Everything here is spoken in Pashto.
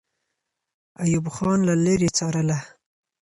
ایوب خان له لرې څارله.